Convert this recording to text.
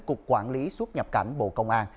cục quản lý xuất nhập cảnh bộ công an